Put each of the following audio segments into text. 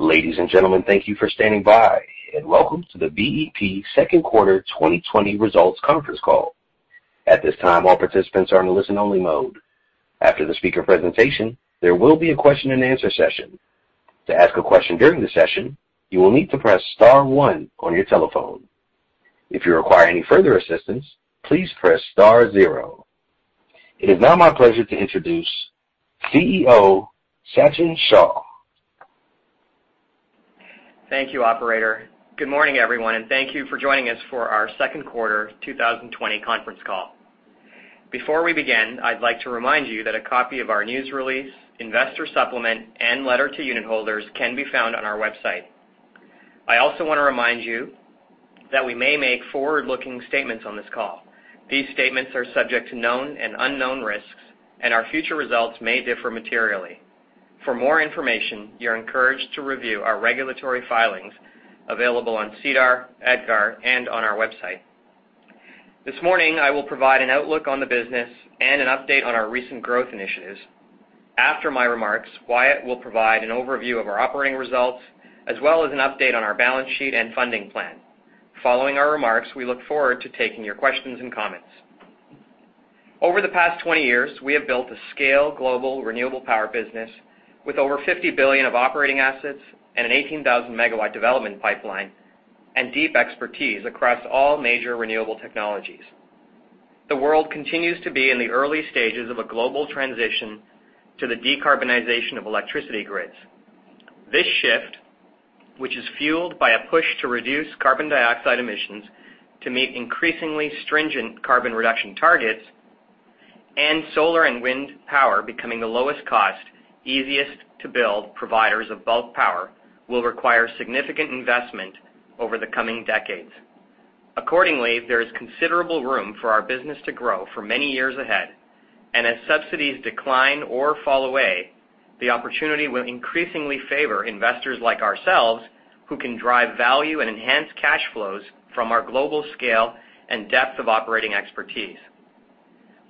Ladies and gentlemen, thank you for standing by, and welcome to the BEP second quarter 2020 results conference call. At this time, all participants are in listen-only mode. After the speaker presentation, there will be a question-and-answer session. To ask a question during the session, you will need to press star one on your telephone. If you require any further assistance, please press star zero. It is now my pleasure to introduce CEO Sachin Shah. Thank you, operator. Good morning, everyone, thank you for joining us for our second quarter 2020 conference call. Before we begin, I'd like to remind you that a copy of our news release, investor supplement, and letter to unitholders can be found on our website. I also want to remind you that we may make forward-looking statements on this call. These statements are subject to known and unknown risks, and our future results may differ materially. For more information, you're encouraged to review our regulatory filings available on SEDAR, EDGAR, and on our website. This morning, I will provide an outlook on the business and an update on our recent growth initiatives. After my remarks, Wyatt will provide an overview of our operating results, as well as an update on our balance sheet and funding plan. Following our remarks, we look forward to taking your questions and comments. Over the past 20 years, we have built a scale global renewable power business with over $50 billion of operating assets and an 18,000 MW development pipeline and deep expertise across all major renewable technologies. The world continues to be in the early stages of a global transition to the decarbonization of electricity grids. This shift, which is fueled by a push to reduce carbon dioxide emissions to meet increasingly stringent carbon reduction targets, and solar and wind power becoming the lowest cost, easiest to build providers of bulk power, will require significant investment over the coming decades. Accordingly, there is considerable room for our business to grow for many years ahead. As subsidies decline or fall away, the opportunity will increasingly favor investors like ourselves, who can drive value and enhance cash flows from our global scale and depth of operating expertise.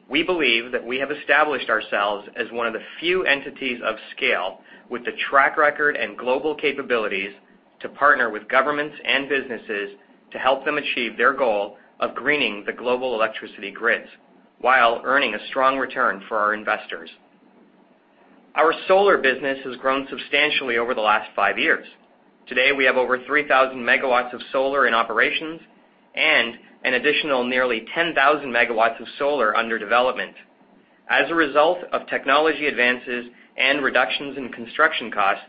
We believe that we have established ourselves as one of the few entities of scale with the track record and global capabilities to partner with governments and businesses to help them achieve their goal of greening the global electricity grids while earning a strong return for our investors. Our solar business has grown substantially over the last five years. Today, we have over 3,000 MW of solar in operations and an additional nearly 10,000 MW of solar under development. As a result of technology advances and reductions in construction costs,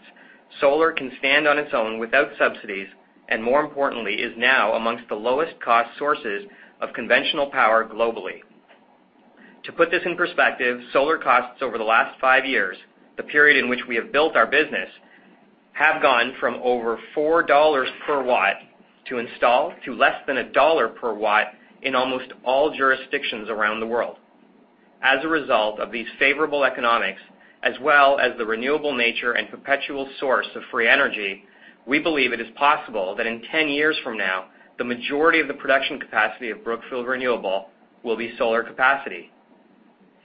solar can stand on its own without subsidies, and more importantly, is now amongst the lowest-cost sources of conventional power globally. To put this in perspective, solar costs over the last five years, the period in which we have built our business, have gone from over $4/W to install to less than $1/W in almost all jurisdictions around the world. As a result of these favorable economics, as well as the renewable nature and perpetual source of free energy, we believe it is possible that in 10 years from now, the majority of the production capacity of Brookfield Renewable will be solar capacity.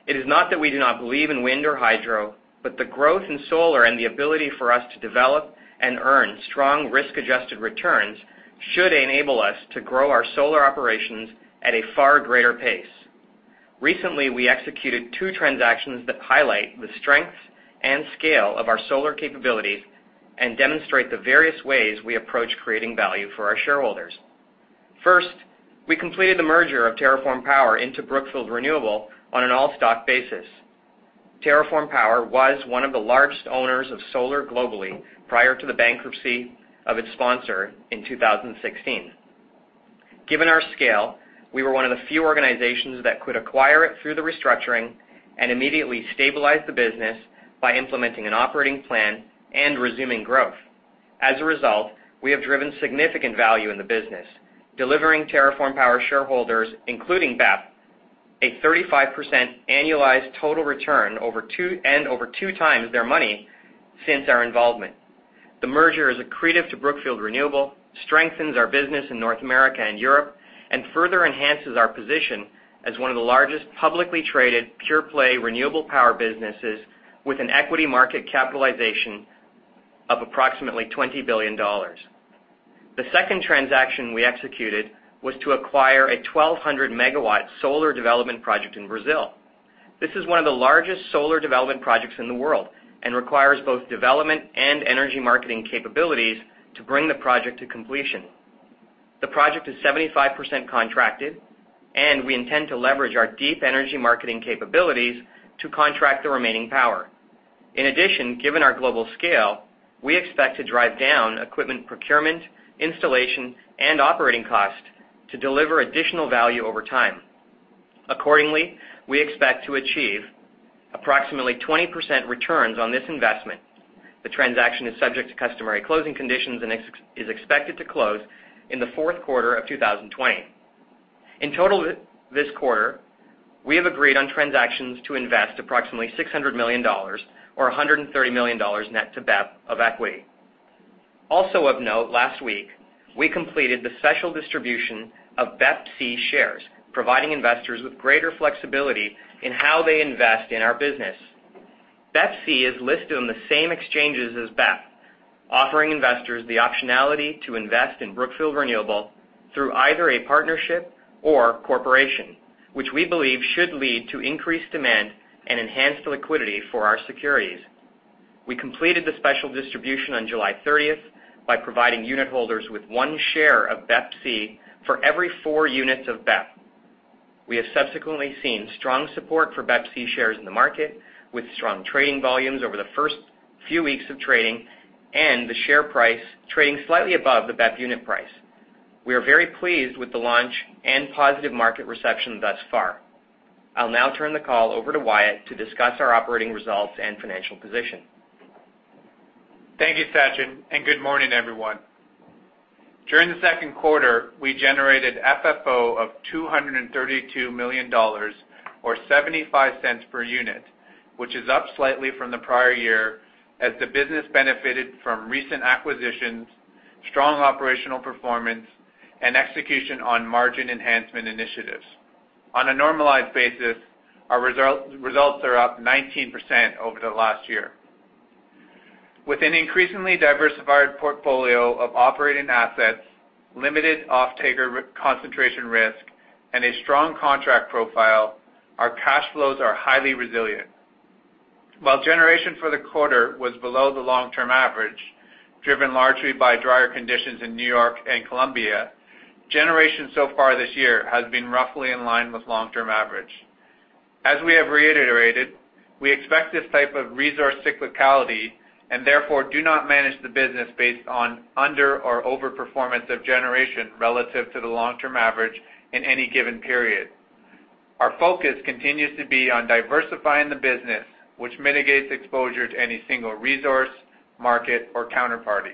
It is not that we do not believe in wind or hydro, but the growth in solar and the ability for us to develop and earn strong risk-adjusted returns should enable us to grow our solar operations at a far greater pace. Recently, we executed two transactions that highlight the strengths and scale of our solar capabilities and demonstrate the various ways we approach creating value for our shareholders. First, we completed the merger of TerraForm Power into Brookfield Renewable on an all-stock basis. TerraForm Power was one of the largest owners of solar globally prior to the bankruptcy of its sponsor in 2016. Given our scale, we were one of the few organizations that could acquire it through the restructuring and immediately stabilize the business by implementing an operating plan and resuming growth. As a result, we have driven significant value in the business, delivering TerraForm Power shareholders, including BEP, a 35% annualized total return and over two times their money since our involvement. The merger is accretive to Brookfield Renewable, strengthens our business in North America and Europe, and further enhances our position as one of the largest publicly traded pure-play renewable power businesses with an equity market capitalization of approximately $20 billion. The second transaction we executed was to acquire a 1,200-MW solar development project in Brazil. This is one of the largest solar development projects in the world and requires both development and energy marketing capabilities to bring the project to completion. The project is 75% contracted, and we intend to leverage our deep energy marketing capabilities to contract the remaining power. In addition, given our global scale, we expect to drive down equipment procurement, installation, and operating costs to deliver additional value over time. Accordingly, we expect to achieve approximately 20% returns on this investment. The transaction is subject to customary closing conditions and is expected to close in the fourth quarter of 2020. In total this quarter, we have agreed on transactions to invest approximately $600 million or $130 million net to BEP of equity. Also of note, last week, we completed the special distribution of BEPC shares, providing investors with greater flexibility in how they invest in our business. BEPC is listed on the same exchanges as BEP, offering investors the optionality to invest in Brookfield Renewable through either a partnership or corporation, which we believe should lead to increased demand and enhanced liquidity for our securities. We completed the special distribution on July 30th by providing unit holders with one share of BEPC for every four units of BEP. We have subsequently seen strong support for BEPC shares in the market, with strong trading volumes over the first few weeks of trading, and the share price trading slightly above the BEP unit price. We are very pleased with the launch and positive market reception thus far. I'll now turn the call over to Wyatt to discuss our operating results and financial position. Thank you, Sachin, and good morning, everyone. During the second quarter, we generated FFO of $232 million, or $0.75 per unit, which is up slightly from the prior year, as the business benefited from recent acquisitions, strong operational performance, and execution on margin enhancement initiatives. On a normalized basis, our results are up 19% over the last year. With an increasingly diversified portfolio of operating assets, limited offtaker concentration risk, and a strong contract profile, our cash flows are highly resilient. While generation for the quarter was below the long-term average, driven largely by drier conditions in New York and Colombia, generation so far this year has been roughly in line with long-term average. As we have reiterated, we expect this type of resource cyclicality and therefore do not manage the business based on under or over-performance of generation relative to the long-term average in any given period. Our focus continues to be on diversifying the business, which mitigates exposure to any single resource, market, or counterparty.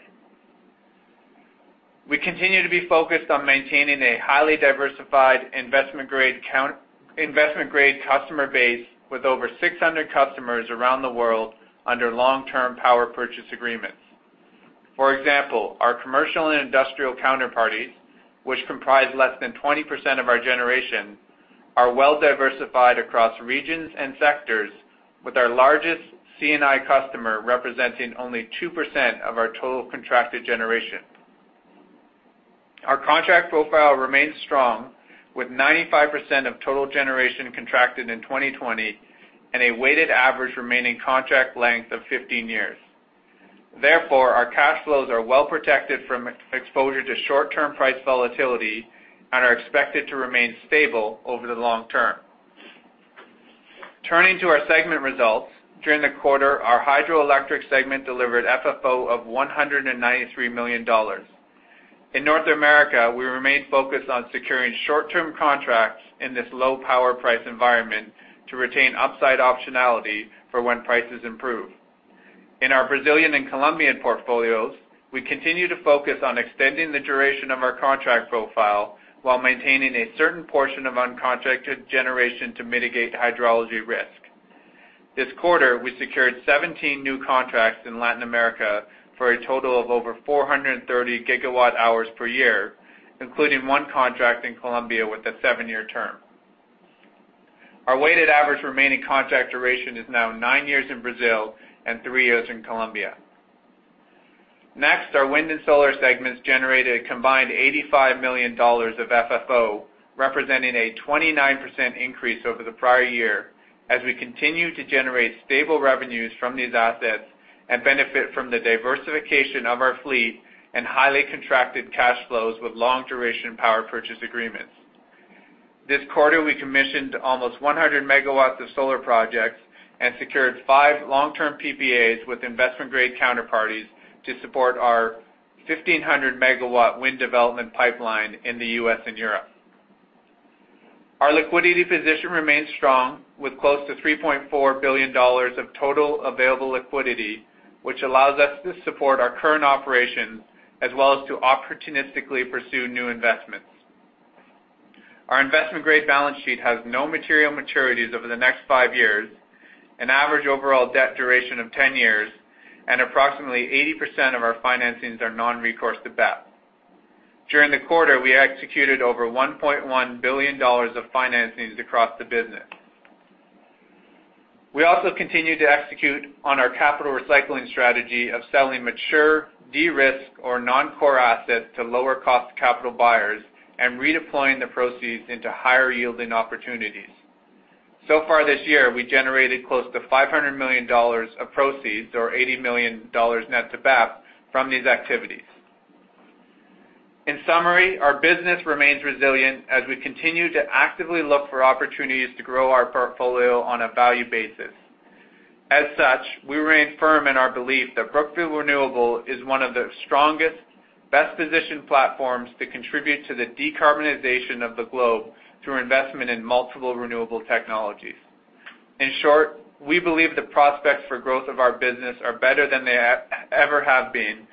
We continue to be focused on maintaining a highly diversified investment-grade customer base with over 600 customers around the world under long-term power purchase agreements. For example, our commercial and industrial counterparties, which comprise less than 20% of our generation, are well-diversified across regions and sectors, with our largest C&I customer representing only 2% of our total contracted generation. Our contract profile remains strong, with 95% of total generation contracted in 2020, and a weighted average remaining contract length of 15 years. Therefore, our cash flows are well-protected from exposure to short-term price volatility and are expected to remain stable over the long term. Turning to our segment results, during the quarter, our hydroelectric segment delivered FFO of $193 million. In North America, we remain focused on securing short-term contracts in this low power price environment to retain upside optionality for when prices improve. In our Brazilian and Colombian portfolios, we continue to focus on extending the duration of our contract profile while maintaining a certain portion of uncontracted generation to mitigate hydrology risk. This quarter, we secured 17 new contracts in Latin America for a total of over 430 GWh per year, including one contract in Colombia with a seven-year term. Our weighted average remaining contract duration is now nine years in Brazil and three years in Colombia. Our wind and solar segments generated a combined $85 million of FFO, representing a 29% increase over the prior year, as we continue to generate stable revenues from these assets and benefit from the diversification of our fleet and highly contracted cash flows with long-duration power purchase agreements. This quarter, we commissioned almost 100 MW of solar projects and secured five long-term PPAs with investment-grade counterparties to support our 1,500-MW wind development pipeline in the U.S. and Europe. Our liquidity position remains strong, with close to $3.4 billion of total available liquidity, which allows us to support our current operations as well as to opportunistically pursue new investments. Our investment-grade balance sheet has no material maturities over the next five years, an average overall debt duration of 10 years, and approximately 80% of our financings are non-recourse to BEP. During the quarter, we executed over $1.1 billion of financings across the business. We also continue to execute on our capital recycling strategy of selling mature, de-risked, or non-core assets to lower-cost capital buyers and redeploying the proceeds into higher-yielding opportunities. So far this year, we generated close to $500 million of proceeds, or $80 million net to BEP, from these activities. In summary, our business remains resilient as we continue to actively look for opportunities to grow our portfolio on a value basis. As such, we remain firm in our belief that Brookfield Renewable is one of the strongest, best-positioned platforms to contribute to the decarbonization of the globe through investment in multiple renewable technologies. In short, we believe the prospects for growth of our business are better than they ever have been.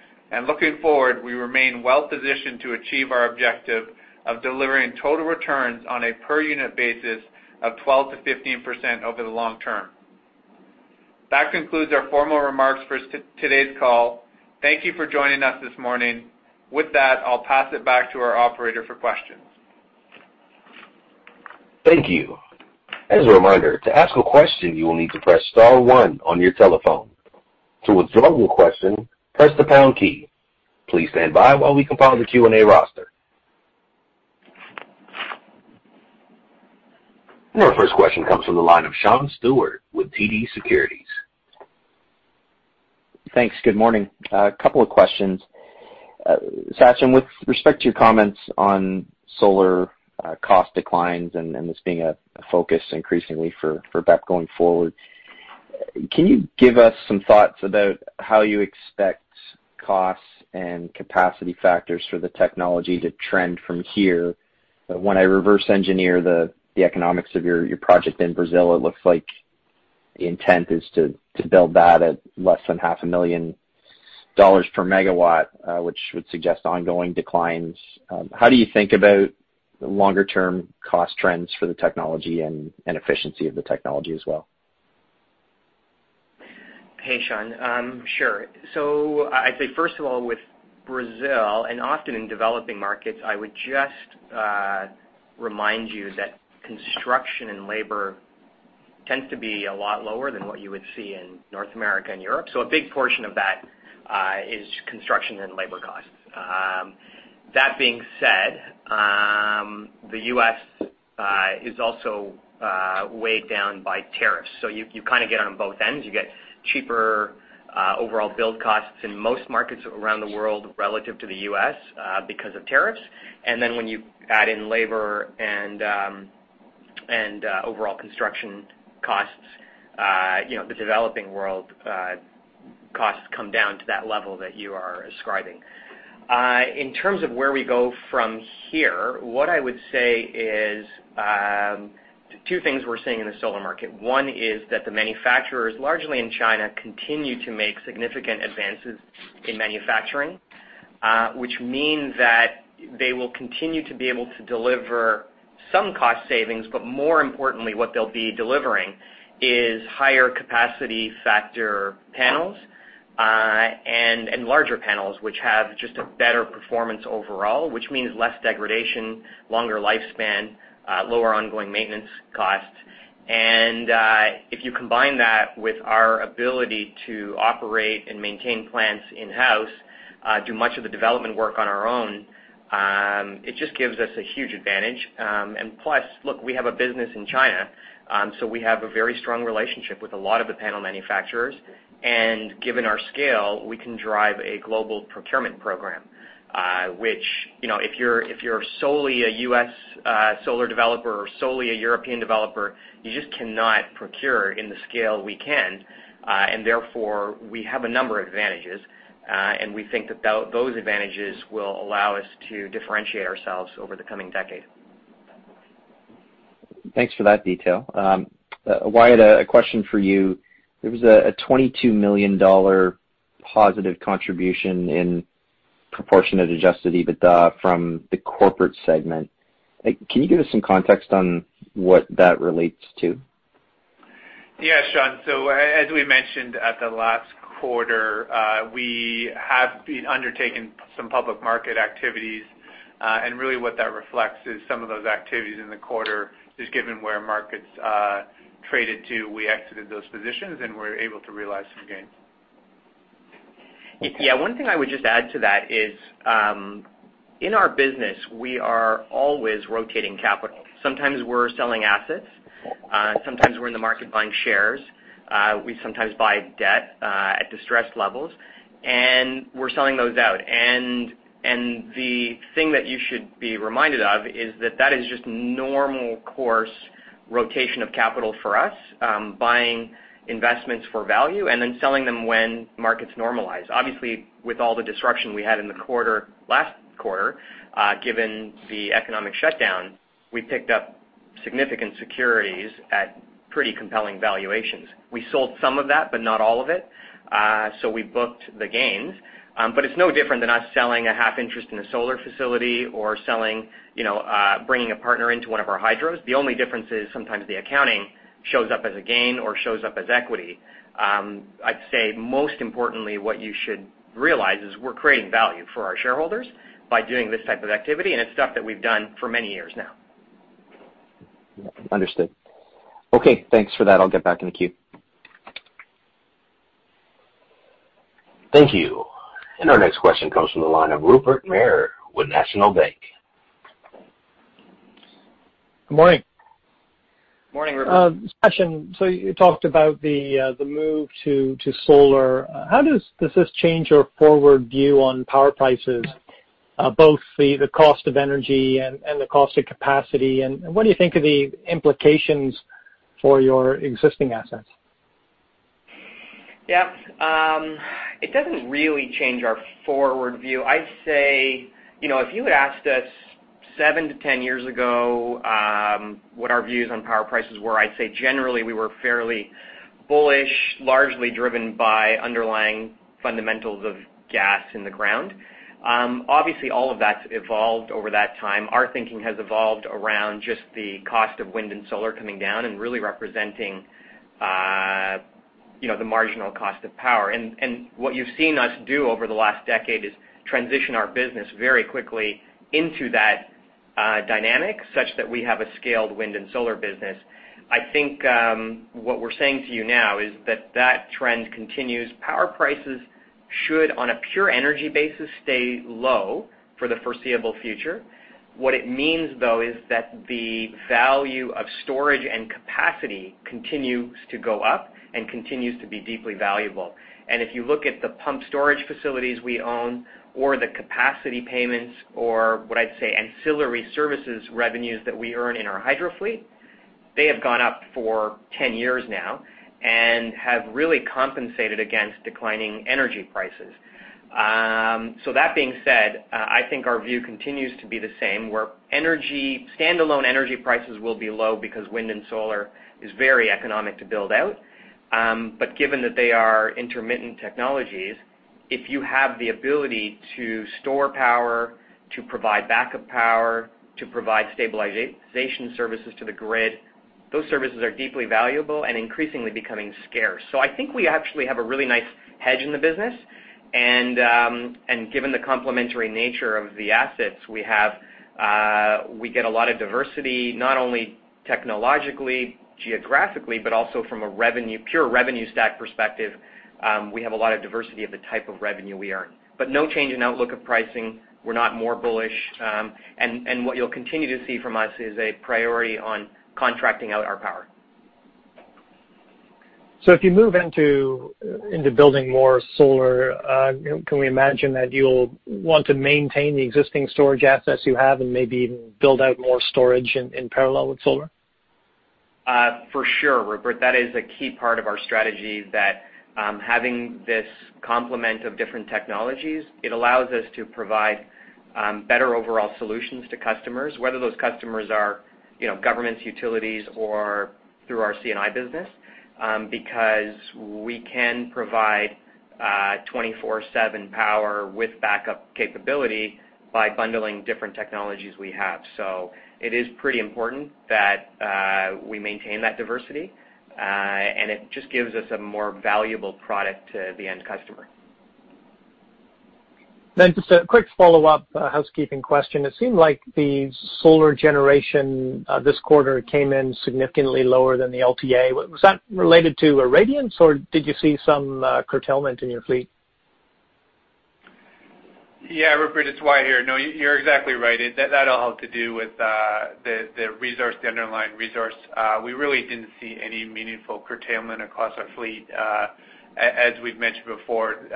Looking forward, we remain well-positioned to achieve our objective of delivering total returns on a per-unit basis of 12%-15% over the long term. That concludes our formal remarks for today's call. Thank you for joining us this morning. With that, I'll pass it back to our operator for questions. Thank you. As a reminder, to ask a question, you will need to press star one on your telephone. To withdraw a question, press the pound key. Please stand by while we compile the Q&A roster. Our first question comes from the line of Sean Steuart with TD Securities. Thanks. Good morning. A couple of questions. Sachin, with respect to your comments on solar cost declines and this being a focus increasingly for BEP going forward, can you give us some thoughts about how you expect costs and capacity factors for the technology to trend from here? When I reverse engineer the economics of your project in Brazil, it looks like the intent is to build that at less than half a million dollars per megawatt, which would suggest ongoing declines. How do you think about the longer-term cost trends for the technology and efficiency of the technology as well? Hey, Sean. Sure. I'd say, first of all, with Brazil, often in developing markets, I would just remind you that construction and labor tend to be a lot lower than what you would see in North America and Europe. A big portion of that is construction and labor costs. That being said, the U.S. is also weighed down by tariffs. You kind of get on both ends. You get cheaper overall build costs in most markets around the world relative to the U.S. because of tariffs. When you add in labor and overall construction costs, the developing world costs come down to that level that you are ascribing. In terms of where we go from here, what I would say is two things we're seeing in the solar market. One is that the manufacturers, largely in China, continue to make significant advances in manufacturing, which means that they will continue to be able to deliver some cost savings. More importantly, what they'll be delivering is higher capacity factor panels, and larger panels, which have just a better performance overall, which means less degradation, longer lifespan, lower ongoing maintenance costs. If you combine that with our ability to operate and maintain plants in-house, do much of the development work on our own, it just gives us a huge advantage. Plus, look, we have a business in China, so we have a very strong relationship with a lot of the panel manufacturers. Which if you're solely a U.S. solar developer or solely a European developer, you just cannot procure in the scale we can. Therefore, we have a number of advantages. We think that those advantages will allow us to differentiate ourselves over the coming decade. Thanks for that detail. Wyatt, a question for you. There was a $22 million positive contribution in proportionate adjusted EBITDA from the corporate segment. Can you give us some context on what that relates to? Yeah, Sean. As we mentioned at the last quarter, we have been undertaking some public market activities. Really what that reflects is some of those activities in the quarter, just given where markets traded to, we exited those positions, and we're able to realize some gains. One thing I would just add to that is, in our business, we are always rotating capital. Sometimes we're selling assets. Sometimes we're in the market buying shares. We sometimes buy debt at distressed levels. We're selling those out. The thing that you should be reminded of is that that is just normal course rotation of capital for us. Buying investments for value and then selling them when markets normalize. Obviously, with all the disruption we had in the quarter, last quarter, given the economic shutdown, we picked up significant securities at pretty compelling valuations. We sold some of that, but not all of it. We booked the gains. It's no different than us selling a half interest in a solar facility or bringing a partner into one of our hydros. The only difference is sometimes the accounting shows up as a gain or shows up as equity. I'd say most importantly, what you should realize is we're creating value for our shareholders by doing this type of activity, and it's stuff that we've done for many years now. Understood. Okay, thanks for that. I'll get back in the queue. Thank you. Our next question comes from the line of Rupert Merer with National Bank. Good morning. Morning, Rupert. Sachin, you talked about the move to solar. How does this change your forward view on power prices, both the cost of energy and the cost of capacity? What do you think are the implications for your existing assets? Yeah. It doesn't really change our forward view. If you had asked us 7-10 years ago, what our views on power prices were, I'd say generally, we were fairly bullish, largely driven by underlying fundamentals of gas in the ground. Obviously, all of that's evolved over that time. Our thinking has evolved around just the cost of wind and solar coming down and really representing the marginal cost of power. What you've seen us do over the last decade is transition our business very quickly into that dynamic, such that we have a scaled wind and solar business. I think what we're saying to you now is that trend continues. Power prices should, on a pure energy basis, stay low for the foreseeable future. What it means, though, is that the value of storage and capacity continues to go up and continues to be deeply valuable. If you look at the pump storage facilities we own, or the capacity payments, or what I'd say ancillary services revenues that we earn in our hydro fleet, they have gone up for 10 years now and have really compensated against declining energy prices. That being said, I think our view continues to be the same, where standalone energy prices will be low because wind and solar is very economic to build out. Given that they are intermittent technologies, if you have the ability to store power, to provide backup power, to provide stabilization services to the grid, those services are deeply valuable and increasingly becoming scarce. I think we actually have a really nice hedge in the business. Given the complementary nature of the assets we have, we get a lot of diversity, not only technologically, geographically, but also from a pure revenue stack perspective. We have a lot of diversity of the type of revenue we earn. No change in outlook of pricing. We're not more bullish. What you'll continue to see from us is a priority on contracting out our power. If you move into building more solar, can we imagine that you'll want to maintain the existing storage assets you have and maybe even build out more storage in parallel with solar? For sure, Rupert. That is a key part of our strategy, that having this complement of different technologies, it allows us to provide better overall solutions to customers, whether those customers are governments, utilities, or through our C&I business. Because we can provide 24/7 power with backup capability by bundling different technologies we have. It is pretty important that we maintain that diversity. It just gives us a more valuable product to the end customer. Just a quick follow-up housekeeping question. It seemed like the solar generation this quarter came in significantly lower than the LTA. Was that related to irradiance, or did you see some curtailment in your fleet? Yeah, Rupert, it's Wyatt here. No, you're exactly right. That all had to do with the underlying resource. We really didn't see any meaningful curtailment across our fleet. As we've mentioned before,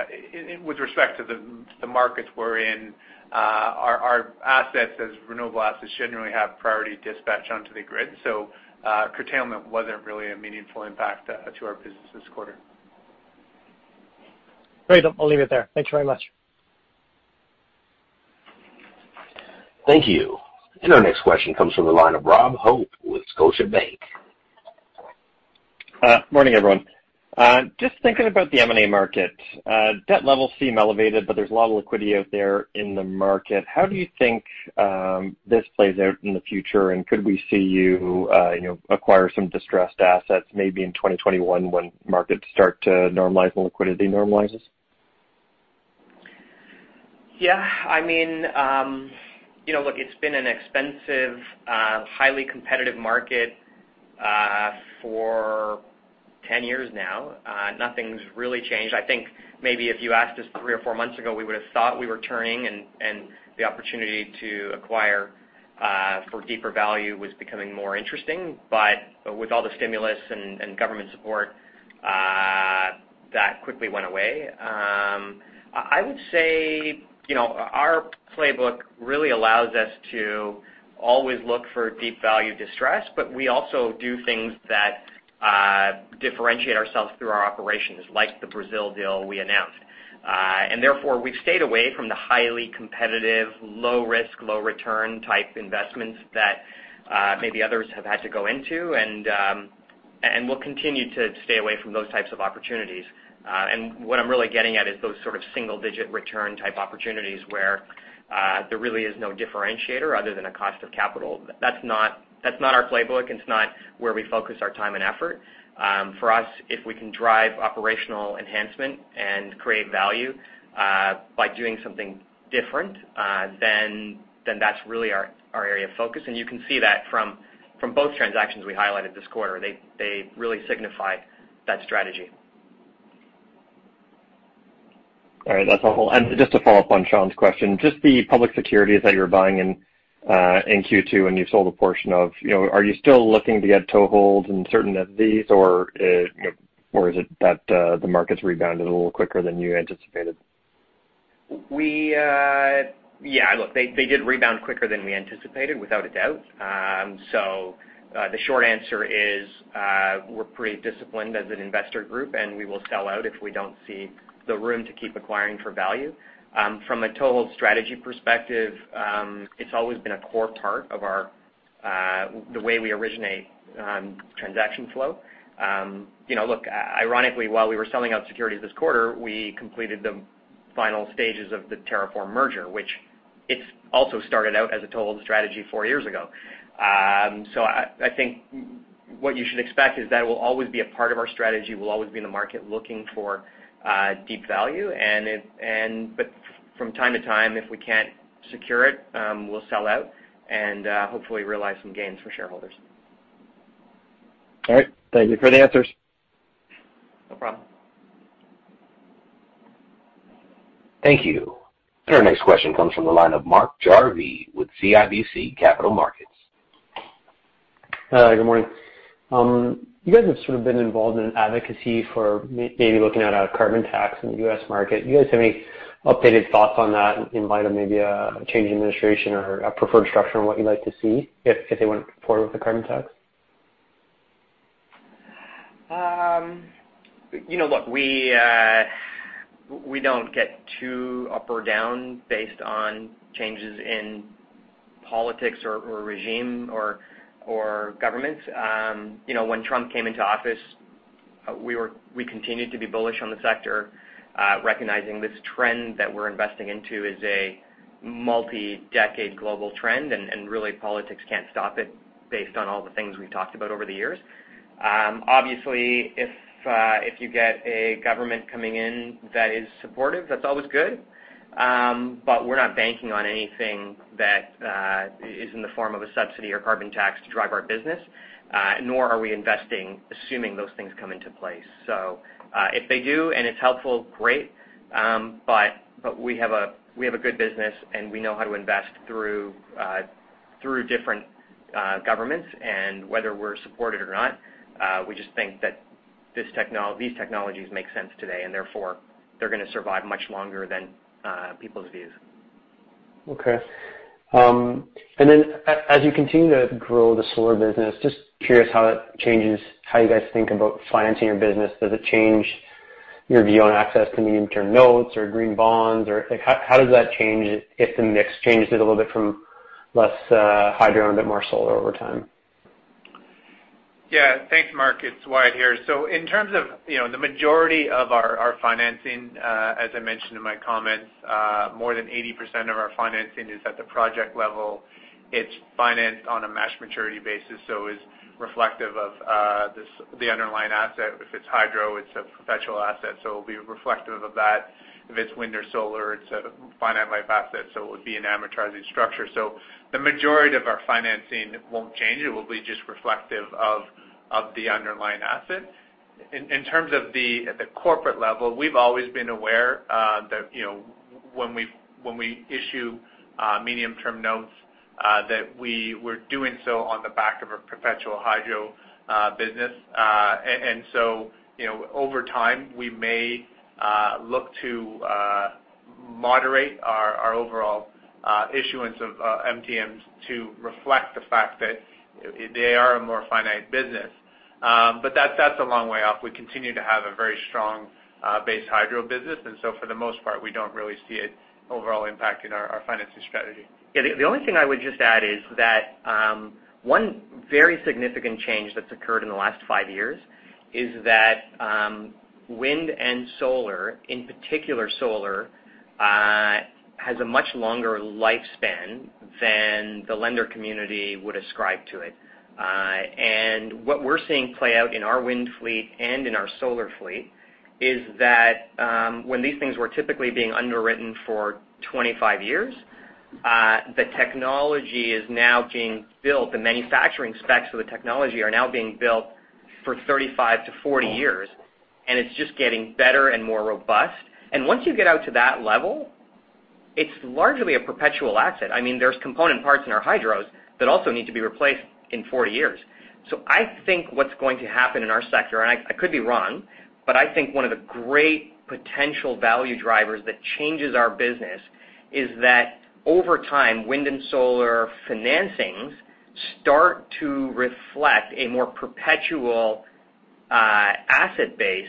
with respect to the markets we're in, our assets as renewable assets generally have priority dispatch onto the grid. Curtailment wasn't really a meaningful impact to our business this quarter. Great. I'll leave it there. Thanks very much. Thank you. Our next question comes from the line of Rob Hope with Scotiabank. Morning, everyone. Just thinking about the M&A market. Debt levels seem elevated, there's a lot of liquidity out there in the market. How do you think this plays out in the future? Could we see you acquire some distressed assets maybe in 2021 when markets start to normalize and liquidity normalizes? It's been an expensive, highly competitive market for 10 years now. Nothing's really changed. If you asked us three or four months ago, we would've thought we were turning, and the opportunity to acquire for deeper value was becoming more interesting. With all the stimulus and government support, that quickly went away. Our playbook really allows us to always look for deep value distress, but we also do things that differentiate ourselves through our operations, like the Brazil deal we announced. Therefore, we've stayed away from the highly competitive, low risk, low return type investments that maybe others have had to go into. We'll continue to stay away from those types of opportunities. What I'm really getting at is those sort of single-digit return type opportunities where there really is no differentiator other than a cost of capital. That's not our playbook, and it's not where we focus our time and effort. For us, if we can drive operational enhancement and create value by doing something different, that's really our area of focus. You can see that from both transactions we highlighted this quarter. They really signify that strategy. All right. That's helpful. Just to follow up on Sean's question, just the public securities that you were buying in Q2, and you sold a portion of, are you still looking to get toeholds in certain of these? Or is it that the market's rebounded a little quicker than you anticipated? Look, they did rebound quicker than we anticipated, without a doubt. The short answer is, we're pretty disciplined as an investor group, and we will sell out if we don't see the room to keep acquiring for value. From a toehold strategy perspective, it's always been a core part of the way we originate transaction flow. Ironically, while we were selling out securities this quarter, we completed the final stages of the TerraForm merger, which it also started out as a toehold strategy four years ago. I think what you should expect is that it will always be a part of our strategy. We'll always be in the market looking for deep value. From time to time, if we can't secure it, we'll sell out and hopefully realize some gains for shareholders. All right. Thank you for the answers. No problem. Thank you. Our next question comes from the line of Mark Jarvi with CIBC Capital Markets. Hi, good morning. You guys have sort of been involved in advocacy for maybe looking at a carbon tax in the U.S. market. Do you guys have any updated thoughts on that in light of maybe a change in administration or a preferred structure on what you'd like to see if they went forward with the carbon tax? Look, we don't get too up or down based on changes in politics or regime or governments. When Trump came into office, we continued to be bullish on the sector, recognizing this trend that we're investing into is a multi-decade global trend, and really politics can't stop it based on all the things we've talked about over the years. Obviously, if you get a government coming in that is supportive, that's always good. We're not banking on anything that is in the form of a subsidy or carbon tax to drive our business. Nor are we investing, assuming those things come into place. If they do and it's helpful, great. We have a good business, and we know how to invest through different governments. Whether we're supported or not, we just think that these technologies make sense today, and therefore, they're going to survive much longer than people's views. Okay. As you continue to grow the solar business, just curious how that changes how you guys think about financing your business. Does it change your view on access to Medium-Term Notes or green bonds? How does that change if the mix changes a little bit from less hydro and a bit more solar over time? Thanks, Mark. It's Wyatt here. In terms of the majority of our financing, as I mentioned in my comments, more than 80% of our financing is at the project level. It's financed on a matched maturity basis, it's reflective of the underlying asset. If it's hydro, it's a perpetual asset, it'll be reflective of that. If it's wind or solar, it's a finite life asset, it would be an amortizing structure. The majority of our financing won't change. It will be just reflective of the underlying asset. In terms of at the corporate level, we've always been aware that when we issue medium-term notes, that we were doing so on the back of a perpetual hydro business. Over time, we may look to moderate our overall issuance of MTNs to reflect the fact that they are a more finite business. That's a long way off. We continue to have a very strong base hydro business, and so for the most part, we don't really see it overall impacting our financing strategy. The only thing I would just add is that one very significant change that's occurred in the last five years is that wind and solar, in particular solar, has a much longer lifespan than the lender community would ascribe to it. What we're seeing play out in our wind fleet and in our solar fleet is that, when these things were typically being underwritten for 25 years, the technology is now being built, the manufacturing specs for the technology are now being built for 35-40 years, and it's just getting better and more robust. Once you get out to that level, it's largely a perpetual asset. There's component parts in our hydros that also need to be replaced in 40 years. I think what's going to happen in our sector, and I could be wrong, but I think one of the great potential value drivers that changes our business is that over time, wind and solar financings start to reflect a more perpetual asset base.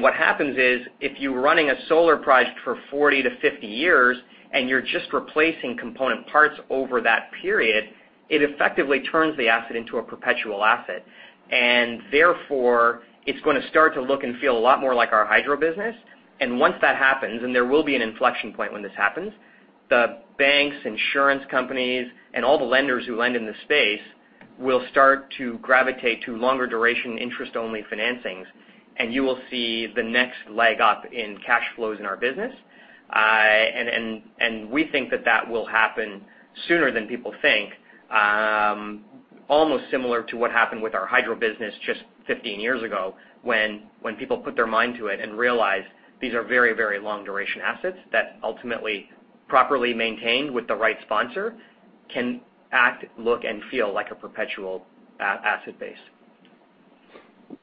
What happens is, if you're running a solar project for 40-50 years and you're just replacing component parts over that period, it effectively turns the asset into a perpetual asset. Therefore, it's going to start to look and feel a lot more like our hydro business. Once that happens, and there will be an inflection point when this happens, the banks, insurance companies, and all the lenders who lend in the space will start to gravitate to longer duration, interest-only financings, and you will see the next leg-up in cash flows in our business. We think that that will happen sooner than people think. Almost similar to what happened with our hydro business just 15 years ago, when people put their mind to it and realized these are very, very long-duration assets that ultimately, properly maintained with the right sponsor, can act, look, and feel like a perpetual asset base.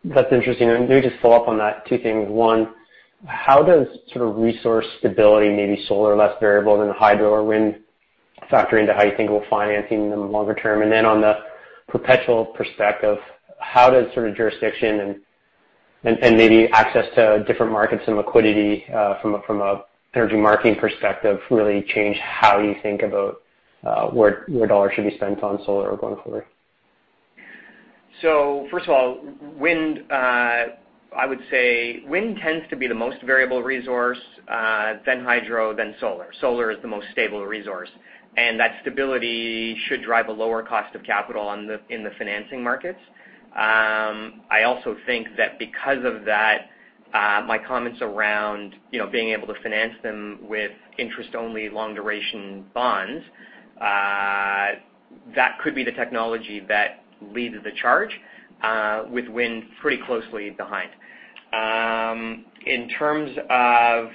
That's interesting. Maybe just to follow up on that, two things. One, how does sort of resource stability, maybe solar less variable than hydro or wind, factor into how you think about financing them longer term? On the perpetual perspective, how does sort of jurisdiction and maybe access to different markets and liquidity, from an energy marketing perspective, really change how you think about where dollars should be spent on solar going forward? First of all, wind, I would say wind tends to be the most variable resource, then hydro, then solar. Solar is the most stable resource, that stability should drive a lower cost of capital in the financing markets. I also think that because of that, my comments around being able to finance them with interest-only long-duration bonds, that could be the technology that leads the charge with wind pretty closely behind. In terms of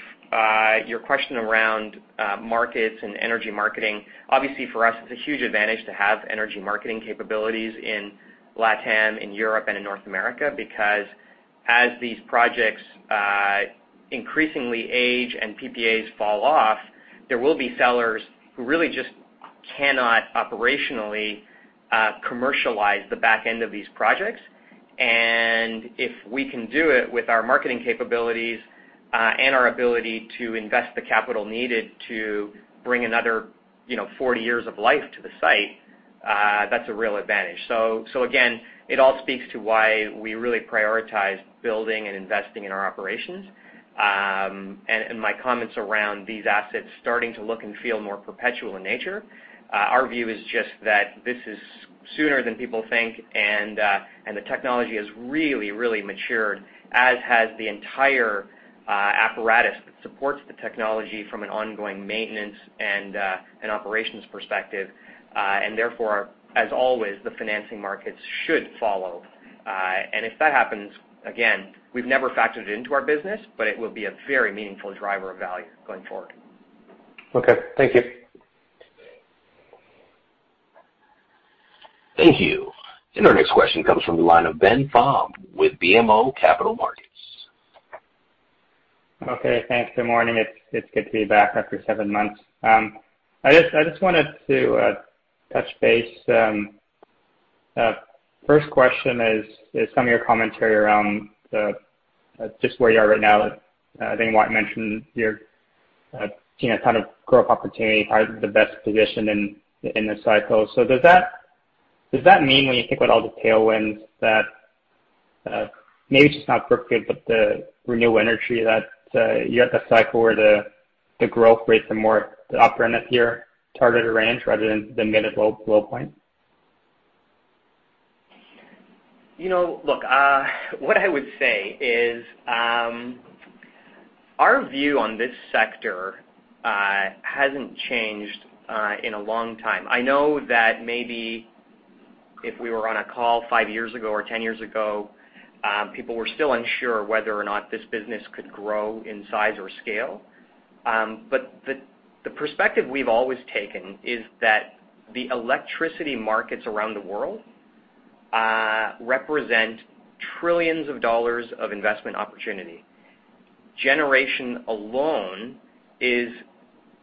your question around markets and energy marketing, obviously for us, it's a huge advantage to have energy marketing capabilities in LATAM, in Europe, and in North America. As these projects increasingly age and PPAs fall off, there will be sellers who really just cannot operationally commercialize the back end of these projects. If we can do it with our marketing capabilities, and our ability to invest the capital needed to bring another 40 years of life to the site, that's a real advantage. Again, it all speaks to why we really prioritize building and investing in our operations. My comments around these assets starting to look and feel more perpetual in nature, our view is just that this is sooner than people think, and the technology has really matured, as has the entire apparatus that supports the technology from an ongoing maintenance and an operations perspective. Therefore, as always, the financing markets should follow. If that happens, again, we've never factored it into our business, but it will be a very meaningful driver of value going forward. Okay. Thank you. Thank you. Our next question comes from the line of Ben Pham with BMO Capital Markets. Okay, thanks. Good morning. It's good to be back after seven months. I just wanted to touch base. First question is, some of your commentary around just where you are right now. I think Wyatt mentioned your kind of growth opportunity, probably the best position in the cycle. Does that mean when you think about all the tailwinds, that maybe it's just not Brookfield, but the renewable energy, that you're at the cycle where the growth rates are more the upper end of your targeted range rather than being at a low point? Look, what I would say is our view on this sector hasn't changed in a long time. I know that maybe if we were on a call five years ago or 10 years ago, people were still unsure whether or not this business could grow in size or scale. The perspective we've always taken is that the electricity markets around the world represent trillions of dollars of investment opportunity. Generation alone is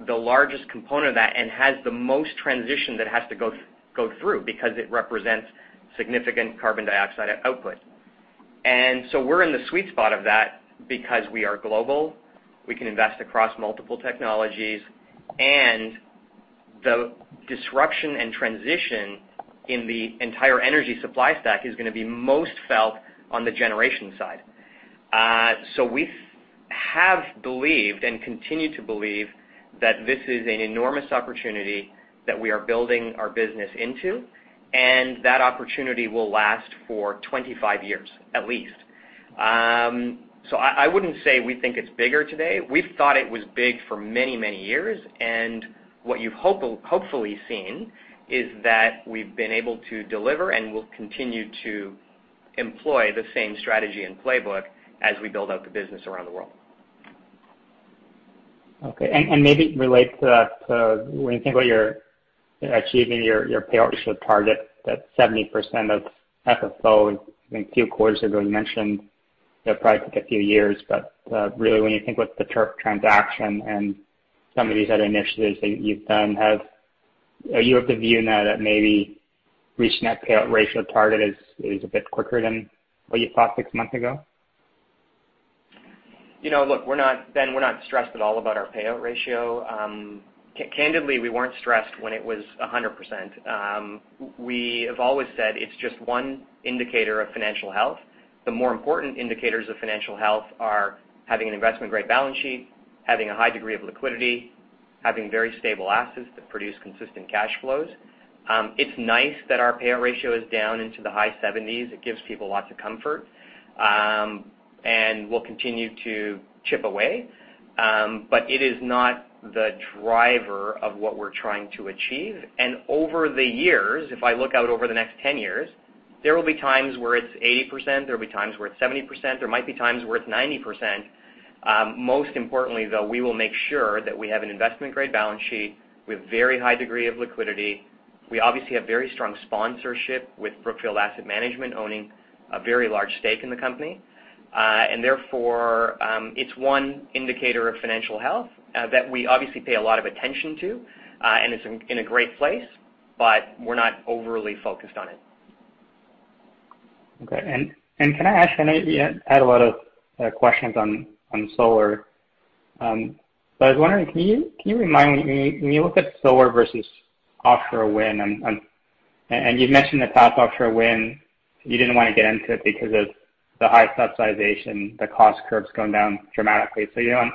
the largest component of that and has the most transition that has to go through because it represents significant carbon dioxide output. We're in the sweet spot of that because we are global, we can invest across multiple technologies, and the disruption and transition in the entire energy supply stack is going to be most felt on the generation side. We have believed and continue to believe that this is an enormous opportunity that we are building our business into, and that opportunity will last for 25 years at least. I wouldn't say we think it's bigger today. We've thought it was big for many, many years, and what you've hopefully seen is that we've been able to deliver and will continue to employ the same strategy and playbook as we build out the business around the world. Okay. Maybe related to that, when you think about achieving your payout ratio target, that 70% of FFO in a few quarters, as you mentioned, it will probably take a few years. Really, when you think about the TERP transaction and some of these other initiatives that you've done, are you of the view now that maybe reaching that payout ratio target is a bit quicker than what you thought six months ago? Look, Ben, we're not stressed at all about our payout ratio. Candidly, we weren't stressed when it was 100%. We have always said it's just one indicator of financial health. The more important indicators of financial health are having an investment-grade balance sheet, having a high degree of liquidity, having very stable assets that produce consistent cash flows. It's nice that our payout ratio is down into the high 70s. It gives people lots of comfort. We'll continue to chip away. It is not the driver of what we're trying to achieve. Over the years, if I look out over the next 10 years, there will be times where it's 80%, there will be times where it's 70%, there might be times where it's 90%. Most importantly, though, we will make sure that we have an investment-grade balance sheet with very high degree of liquidity. We obviously have very strong sponsorship with Brookfield Asset Management owning a very large stake in the company. Therefore, it's one indicator of financial health that we obviously pay a lot of attention to, and it's in a great place, but we're not overly focused on it. Okay. Can I ask, I know you had a lot of questions on solar. I was wondering, can you remind me, when you look at solar versus offshore wind, and you've mentioned the top offshore wind, you didn't want to get into it because of the high subsidization, the cost curves going down dramatically. You don't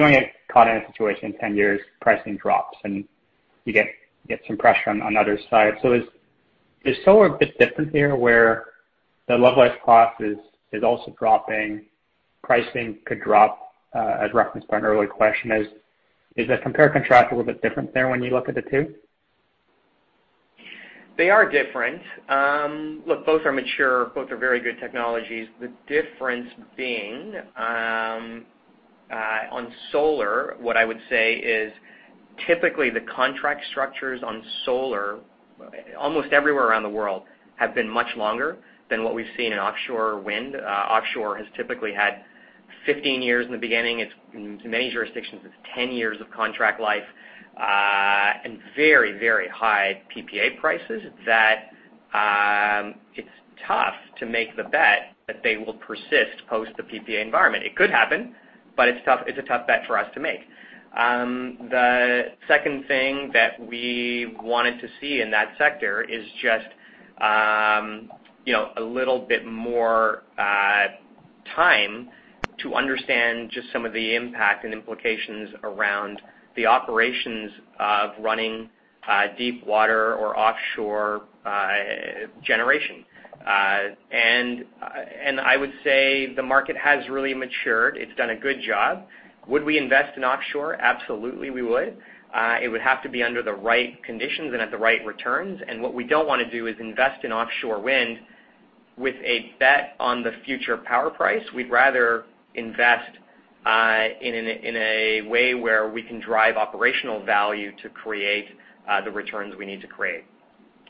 want to get caught in a situation in 10 years, pricing drops, and you get some pressure on other sides. Is solar a bit different here where the levelized cost is also dropping, pricing could drop, as referenced by an earlier question, is the compare-contrast a little bit different there when you look at the two? They are different. Look, both are mature. Both are very good technologies. The difference being, on solar, what I would say is typically the contract structures on solar, almost everywhere around the world, have been much longer than what we've seen in offshore wind. Offshore has typically had 15 years in the beginning. In many jurisdictions, it's 10 years of contract life, and very high PPA prices that it's tough to make the bet that they will persist post the PPA environment. It could happen, but it's a tough bet for us to make. The second thing that we wanted to see in that sector is just a little bit more time to understand just some of the impact and implications around the operations of running deep water or offshore generation. I would say the market has really matured. It's done a good job. Would we invest in offshore. Absolutely, we would. It would have to be under the right conditions and at the right returns. What we don't want to do is invest in offshore wind with a bet on the future power price. We'd rather invest in a way where we can drive operational value to create the returns we need to create.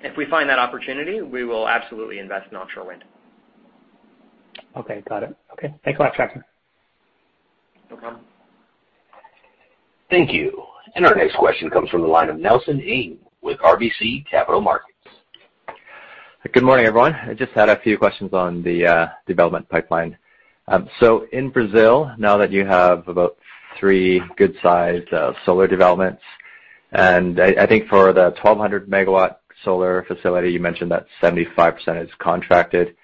If we find that opportunity, we will absolutely invest in offshore wind. Okay, got it. Okay, thanks a lot, Trevor. No problem. Thank you. Our next question comes from the line of Nelson Ng with RBC Capital Markets. Good morning, everyone. I just had a few questions on the development pipeline. In Brazil, now that you have about three good-sized solar developments, and I think for the 1,200 MWsolar facility, you mentioned that 75% is contracted.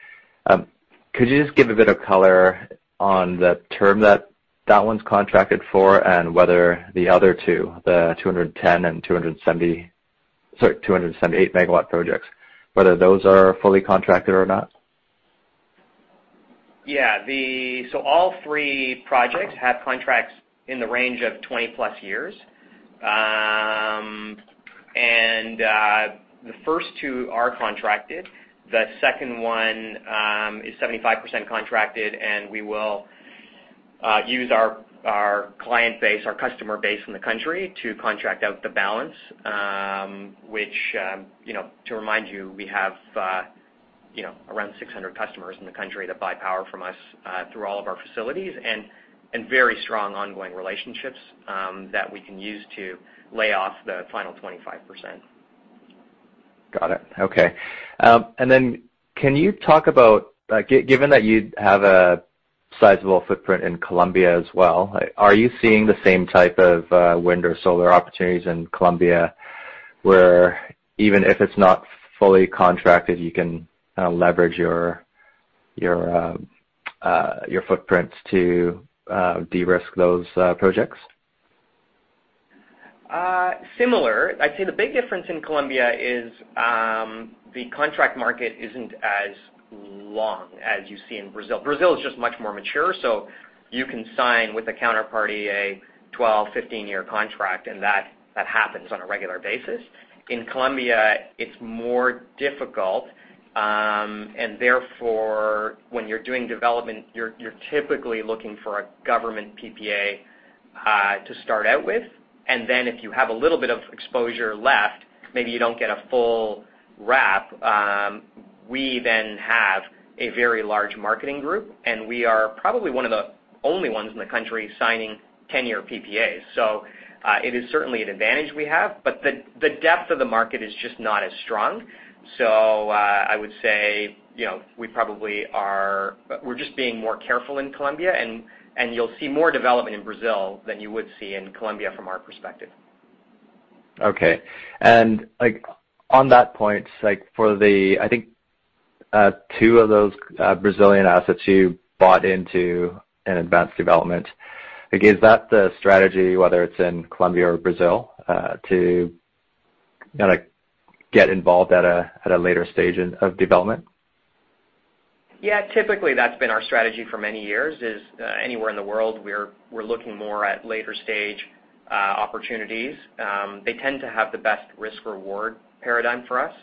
Could you just give a bit of color on the term that one's contracted for and whether the other two, the 210 MW and 278 MW projects, whether those are fully contracted or not? Yeah. All three projects have contracts in the range of 20+ years. The first two are contracted. The second one is 75% contracted, and we will use our client base, our customer base in the country to contract out the balance, which, to remind you, we have around 600 customers in the country that buy power from us through all of our facilities, and very strong ongoing relationships that we can use to lay off the final 25%. Got it. Okay. Can you talk about, given that you have a sizable footprint in Colombia as well, are you seeing the same type of wind or solar opportunities in Colombia where even if it's not fully contracted, you can leverage your footprints to de-risk those projects? Similar. I'd say the big difference in Colombia is the contract market isn't as long as you see in Brazil. Brazil is just much more mature, so you can sign with a counterparty a 12, 15-year contract, and that happens on a regular basis. In Colombia, it's more difficult. Therefore, when you're doing development, you're typically looking for a government PPA to start out with. Then if you have a little bit of exposure left, maybe you don't get a full wrap. We then have a very large marketing group, and we are probably one of the only ones in the country signing 10-year PPAs. It is certainly an advantage we have, but the depth of the market is just not as strong. I would say we're just being more careful in Colombia, and you'll see more development in Brazil than you would see in Colombia from our perspective. Okay. On that point, for the, I think two of those Brazilian assets you bought into in advanced development, is that the strategy, whether it's in Colombia or Brazil, to get involved at a later stage of development? Yeah. Typically, that's been our strategy for many years, is anywhere in the world, we're looking more at later-stage opportunities. They tend to have the best risk-reward paradigm for us.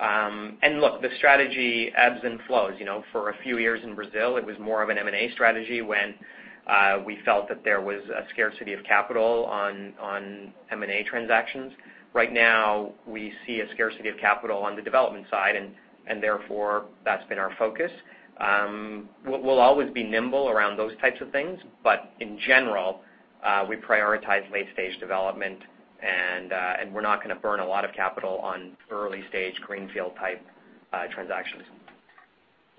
Look, the strategy ebbs and flows. For a few years in Brazil, it was more of an M&A strategy when we felt that there was a scarcity of capital on M&A transactions. Right now, we see a scarcity of capital on the development side, and therefore, that's been our focus. We'll always be nimble around those types of things, but in general, we prioritize late-stage development, and we're not going to burn a lot of capital on early-stage greenfield-type transactions.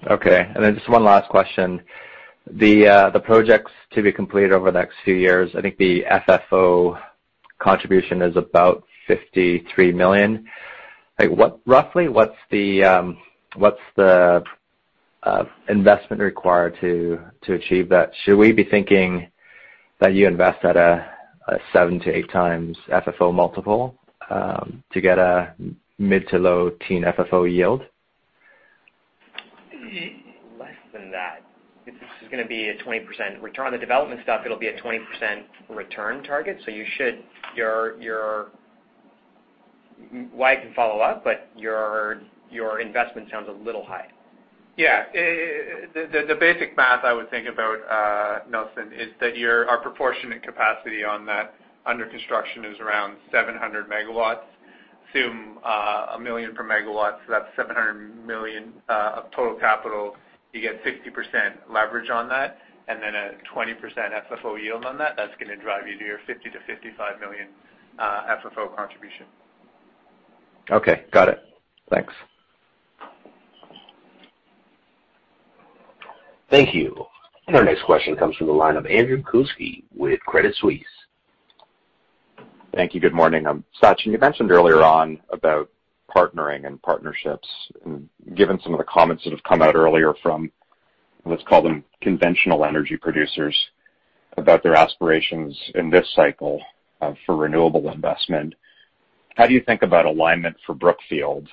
Okay. Just one last question. The projects to be completed over the next few years, I think the FFO contribution is about $53 million. Roughly, what's the investment required to achieve that? Should we be thinking that you invest at a seven to eight times FFO multiple, to get a mid to low teen FFO yield? Less than that. This is going to be a 20% return. On the development stuff, it'll be a 20% return target. Wyatt can follow up, but your investment sounds a little high. Yeah. The basic math I would think about, Nelson, is that our proportionate capacity on that under construction is around 700 MW. Assume $1 million per MW, so that's $700 million of total capital. You get 60% leverage on that, and then a 20% FFO yield on that. That's going to drive you to your $50 million-$55 million FFO contribution. Okay. Got it. Thanks. Thank you. Our next question comes from the line of Andrew Kuske with Credit Suisse. Thank you. Good morning. Sachin, you mentioned earlier on about partnering and partnerships. Given some of the comments that have come out earlier from, let's call them conventional energy producers, about their aspirations in this cycle, for renewable investment. How do you think about alignment for Brookfield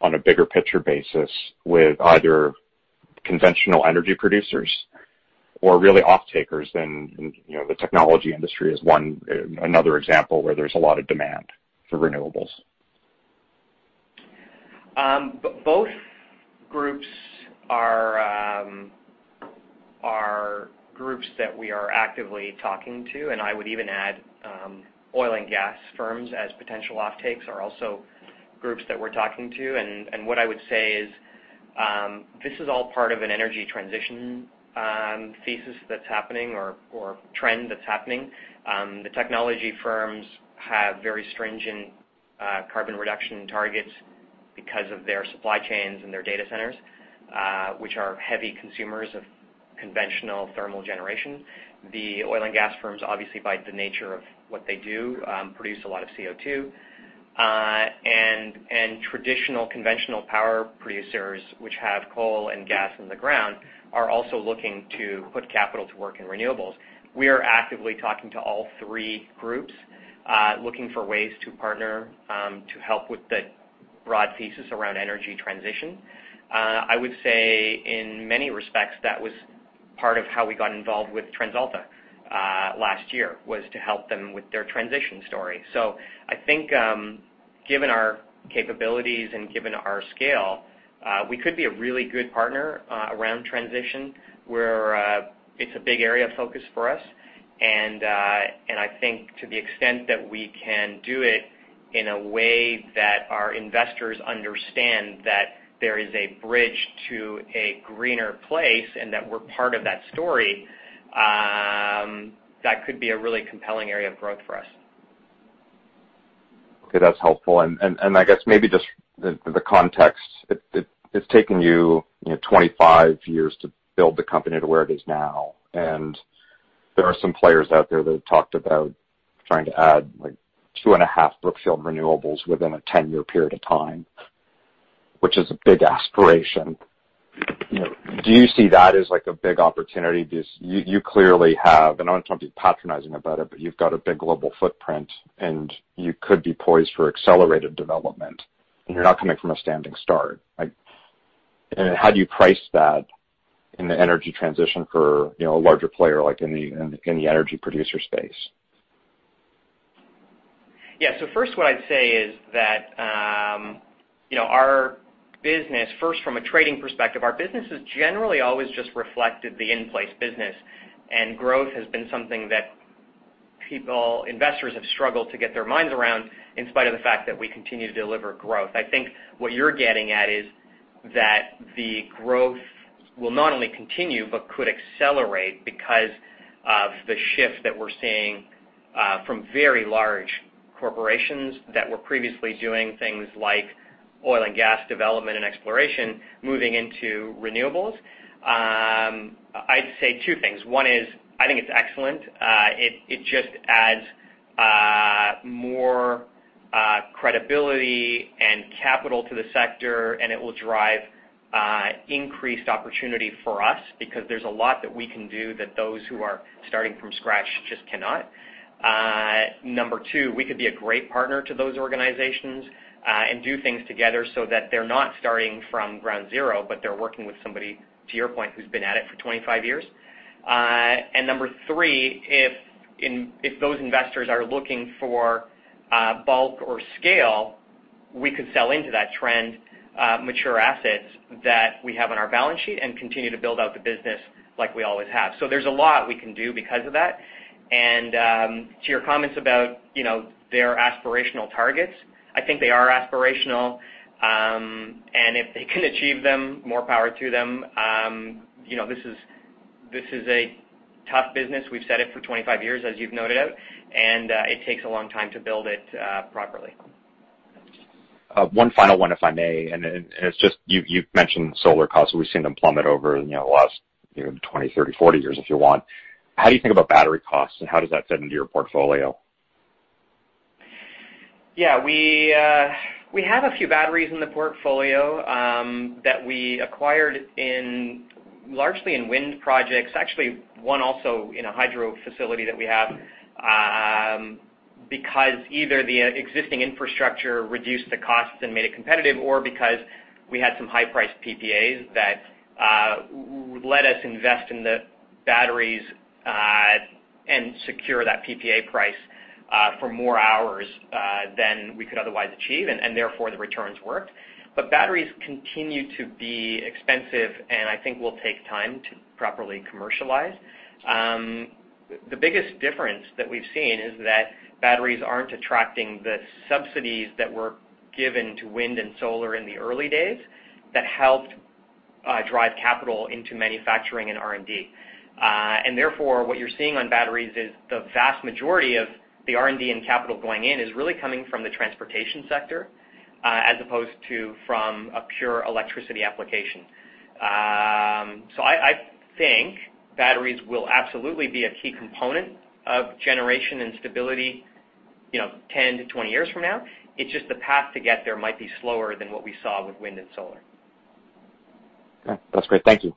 on a bigger picture basis with either conventional energy producers or really off-takers than the technology industry as another example where there's a lot of demand for renewables? Both groups are groups that we are actively talking to, and I would even add oil and gas firms as potential off-takes are also groups that we're talking to. What I would say is, this is all part of an energy transition thesis that's happening or trend that's happening. The technology firms have very stringent carbon reduction targets because of their supply chains and their data centers, which are heavy consumers of conventional thermal generation. The oil and gas firms, obviously by the nature of what they do, produce a lot of CO2. Traditional conventional power producers, which have coal and gas in the ground, are also looking to put capital to work in renewables. We are actively talking to all three groups, looking for ways to partner, to help with the broad thesis around energy transition. I would say in many respects, that was part of how we got involved with TransAlta last year, was to help them with their transition story. I think, given our capabilities and given our scale, we could be a really good partner around transition, where it's a big area of focus for us. I think to the extent that we can do it in a way that our investors understand that there is a bridge to a greener place and that we're part of that story, that could be a really compelling area of growth for us. Okay. That's helpful. I guess maybe just the context. It's taken you 25 years to build the company to where it is now, and there are some players out there that have talked about trying to add two and a half Brookfield Renewable within a 10-year period of time, which is a big aspiration. Do you see that as a big opportunity? Because you clearly have, and I don't want to be patronizing about it, but you've got a big global footprint, and you could be poised for accelerated development, and you're not coming from a standing start. How do you price that in the energy transition for a larger player, like in the energy producer space? Yeah. First, what I'd say is that our business, first from a trading perspective, our business has generally always just reflected the in-place business, and growth has been something that investors have struggled to get their minds around, in spite of the fact that we continue to deliver growth. I think what you're getting at is that the growth will not only continue, but could accelerate because of the shift that we're seeing from very large corporations that were previously doing things like oil and gas development and exploration, moving into renewables. I'd say two things. One is, I think it's excellent. It just adds more credibility and capital to the sector, and it will drive increased opportunity for us because there's a lot that we can do that those who are starting from scratch just cannot. Number two, we could be a great partner to those organizations, and do things together so that they're not starting from ground zero, but they're working with somebody, to your point, who's been at it for 25 years. Number three, if those investors are looking for bulk or scale, we could sell into that trend, mature assets that we have on our balance sheet and continue to build out the business like we always have. There's a lot we can do because of that. To your comments about their aspirational targets, I think they are aspirational. If they can achieve them, more power to them. This is a tough business. We've said it for 25 years, as you've noted it, and it takes a long time to build it properly. One final one, if I may, and it's just you've mentioned solar costs, we've seen them plummet over the last 20, 30, 40 years if you want. How do you think about battery costs, and how does that fit into your portfolio? Yeah, we have a few batteries in the portfolio, that we acquired largely in wind projects. Actually, one also in a hydro facility that we have, because either the existing infrastructure reduced the costs and made it competitive or because we had some high-priced PPAs that let us invest in the batteries, and secure that PPA price for more hours than we could otherwise achieve, and therefore the returns worked. Batteries continue to be expensive and I think will take time to properly commercialize. The biggest difference that we've seen is that batteries aren't attracting the subsidies that were given to wind and solar in the early days that helped drive capital into manufacturing and R&D. Therefore, what you're seeing on batteries is the vast majority of the R&D and capital going in is really coming from the transportation sector, as opposed to from a pure electricity application. I think batteries will absolutely be a key component of generation and stability, 10 to 20 years from now. It's just the path to get there might be slower than what we saw with wind and solar. Okay. That's great. Thank you.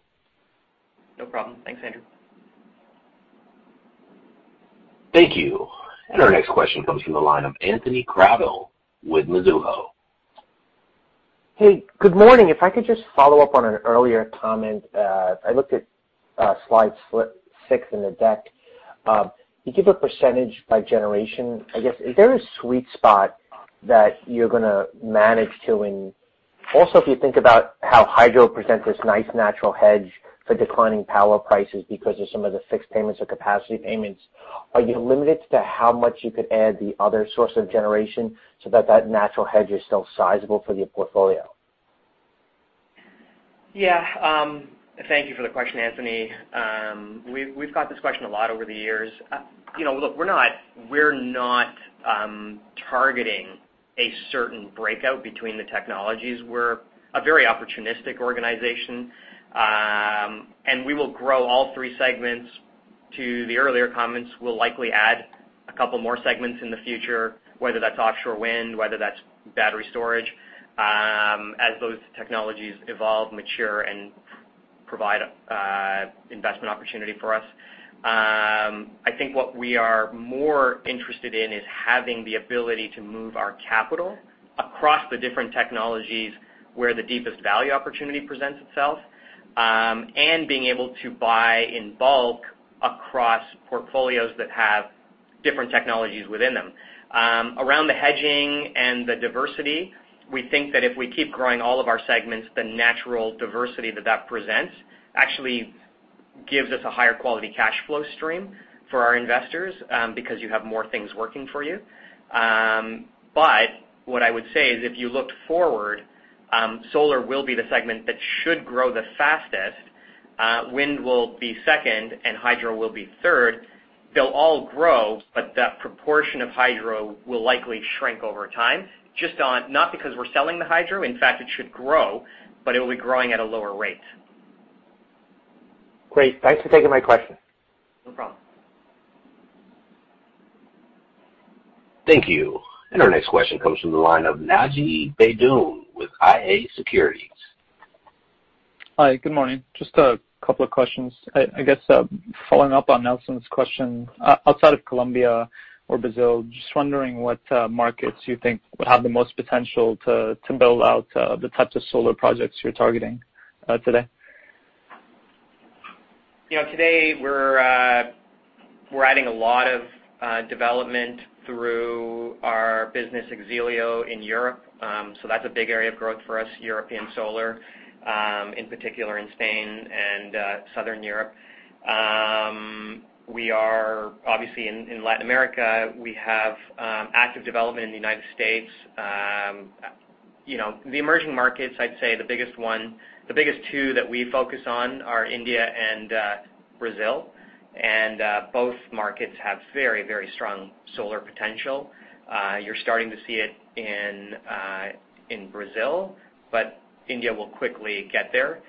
No problem. Thanks, Andrew. Thank you. Our next question comes from the line of Anthony Crowdell with Mizuho. Hey, good morning. If I could just follow up on an earlier comment. I looked at slide six in the deck. You give a percentage by generation, I guess, is there a sweet spot that you're going to manage to? Also, if you think about how hydro presents this nice natural hedge for declining power prices because of some of the fixed payments or capacity payments, are you limited to how much you could add the other source of generation so that that natural hedge is still sizable for the portfolio? Yeah. Thank you for the question, Anthony. We've got this question a lot over the years. Look, we're not targeting a certain breakout between the technologies. We're a very opportunistic organization. We will grow all three segments. To the earlier comments, we'll likely add a couple more segments in the future, whether that's offshore wind, whether that's battery storage, as those technologies evolve, mature, and provide investment opportunity for us. I think what we are more interested in is having the ability to move our capital across the different technologies where the deepest value opportunity presents itself, and being able to buy in bulk across portfolios that have different technologies within them. Around the hedging and the diversity, we think that if we keep growing all of our segments, the natural diversity that that presents actually gives us a higher-quality cash flow stream for our investors, because you have more things working for you. What I would say is if you looked forward, solar will be the segment that should grow the fastest. Wind will be second, and hydro will be third. They'll all grow, but the proportion of hydro will likely shrink over time. Not because we're selling the hydro, in fact, it should grow, but it will be growing at a lower rate. Great. Thanks for taking my question. No problem. Thank you. Our next question comes from the line of Naji Baydoun with iA Securities. Hi, good morning. Just a couple of questions. I guess, following up on Nelson's question, outside of Colombia or Brazil, just wondering what markets you think would have the most potential to build out the types of solar projects you're targeting today? Today we're adding a lot of development through our business, X-ELIO, in Europe. That's a big area of growth for us, European solar, in particular in Spain and Southern Europe. Obviously, in Latin America, we have active development in the United States. The emerging markets, I'd say the biggest two that we focus on are India and Brazil, and both markets have very strong solar potential. You're starting to see it in Brazil, but India will quickly get there,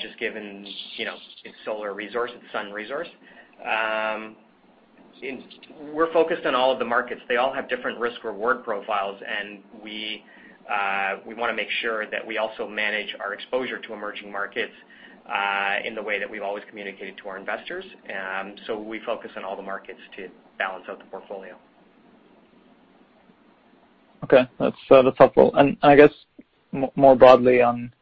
just given its solar resource, its sun resource. We're focused on all of the markets. They all have different risk-reward profiles, and we want to make sure that we also manage our exposure to emerging markets, in the way that we've always communicated to our investors. We focus on all the markets to balance out the portfolio. Okay. That's helpful. I guess more broadly on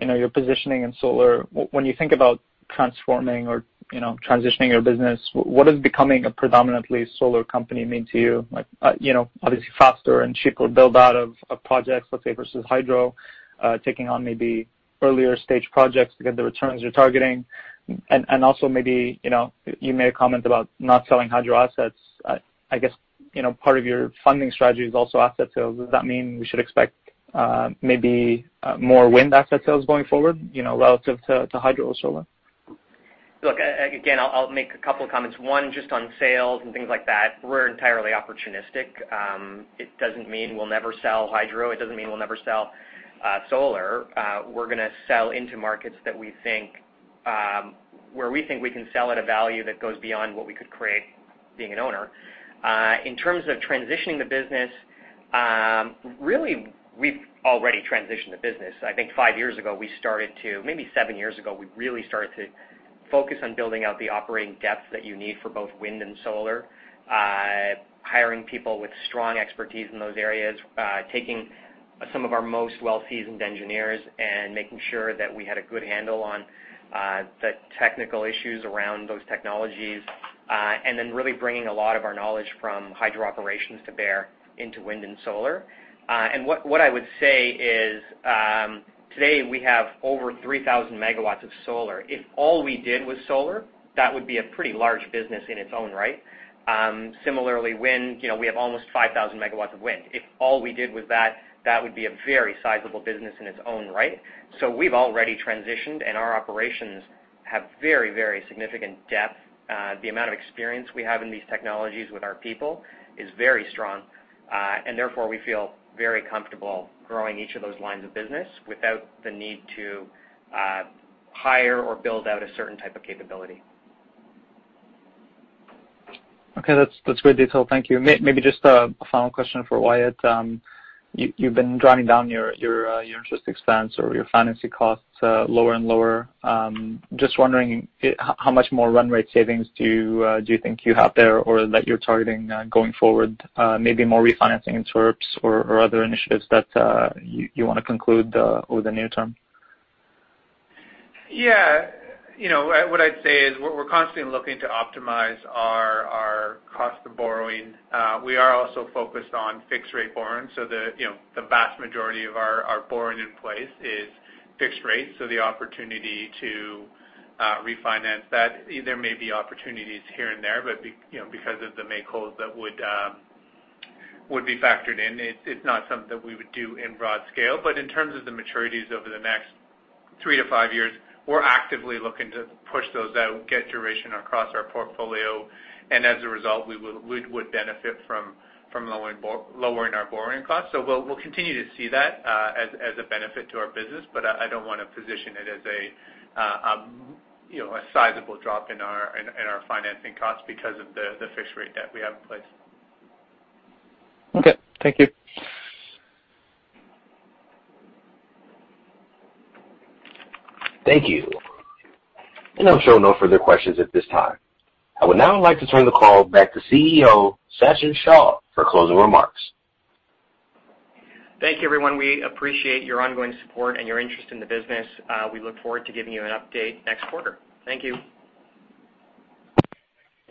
your positioning in solar, when you think about transforming or transitioning your business, what does becoming a predominantly solar company mean to you? Like, obviously faster and cheaper build-out of projects, let's say, versus hydro, taking on maybe earlier-stage projects to get the returns you're targeting. Also maybe, you made a comment about not selling hydro assets. I guess, part of your funding strategy is also asset sales. Does that mean we should expect maybe more wind asset sales going forward, relative to hydro or solar? Look, again, I'll make a couple of comments. One, just on sales and things like that, we're entirely opportunistic. It doesn't mean we'll never sell hydro. It doesn't mean we'll never sell solar. We're going to sell into markets where we think we can sell at a value that goes beyond what we could create being an owner. In terms of transitioning the business, really, we've already transitioned the business. I think five years ago, we started to maybe seven years ago, we really started to focus on building out the operating depth that you need for both wind and solar, hiring people with strong expertise in those areas, taking some of our most well-seasoned engineers, and making sure that we had a good handle on the technical issues around those technologies, and then really bringing a lot of our knowledge from hydro operations to bear into wind and solar. What I would say is, today, we have over 3,000 MW of solar. If all we did was solar, that would be a pretty large business in its own right. Similarly, wind, we have almost 5,000 MW of wind. If all we did was that would be a very sizable business in its own right. We've already transitioned, and our operations have very significant depth. The amount of experience we have in these technologies with our people is very strong. Therefore, we feel very comfortable growing each of those lines of business without the need to hire or build out a certain type of capability. Okay, that's great detail. Thank you. Maybe just a final question for Wyatt. You've been driving down your interest expense or your financing costs lower and lower. Just wondering how much more run rate savings do you think you have there or that you're targeting going forward? Maybe more refinancing in TERPs or other initiatives that you want to conclude over the near term? Yeah. What I'd say is we're constantly looking to optimize our cost of borrowing. We are also focused on fixed-rate borrowing. The vast majority of our borrowing in place is fixed-rate. The opportunity to refinance that, there may be opportunities here and there, but because of the make-wholes that would be factored in, it's not something that we would do in broad scale. In terms of the maturities over the next three-five years, we're actively looking to push those out, get duration across our portfolio, and as a result, we would benefit from lowering our borrowing costs. We'll continue to see that as a benefit to our business, but I don't want to position it as a sizable drop in our financing costs because of the fixed rate that we have in place. Okay. Thank you. Thank you. I'm showing no further questions at this time. I would now like to turn the call back to CEO, Sachin Shah, for closing remarks. Thank you, everyone. We appreciate your ongoing support and your interest in the business. We look forward to giving you an update next quarter. Thank you.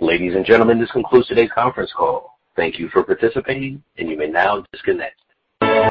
Ladies and gentlemen, this concludes today's conference call. Thank you for participating, and you may now disconnect.